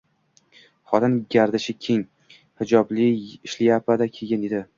Xotin gardishi keng, hijobli shlyapa kiygan edi